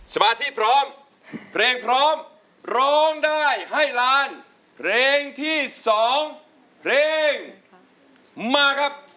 สมาธิพร้อมเพลงพร้อมร้องได้ให้ล้านเพลงที่๒เพลงมาครับ